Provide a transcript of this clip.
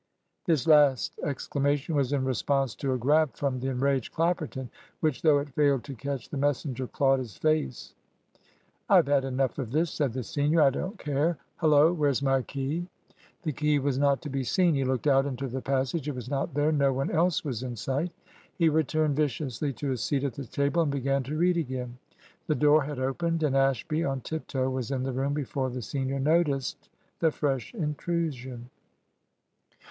This last exclamation was in response to a grab from the enraged Clapperton, which, though it failed to catch the messenger, clawed his face. "I've had enough of this," said the senior. "I don't care . Hullo! where's my key?" The key was not to be seen. He looked out into the passage; it was not there. No one else was in sight. He returned viciously to his seat at the table, and began to read again. The door had opened, and Ashby, on tip toe, was in the room before the senior noticed the fresh intrusion.